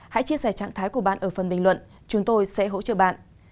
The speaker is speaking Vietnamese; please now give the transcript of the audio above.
hãy chia sẻ trạng thái của bạn ở phần bình luận chúng tôi sẽ hỗ trợ bạn